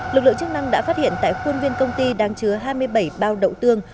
lực lượng chức năng đã phát hiện tại khuôn viên công ty đang chứa hai mươi bảy bao đậu tương